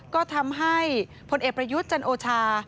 ก็ทำให้พลเอกประยุทธ์จันโอชา